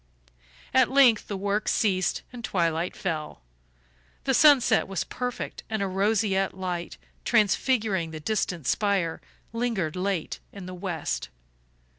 At length the work ceased and twilight fell. The sunset was perfect and a roseate light, transfiguring the distant spire, lingered late in the west.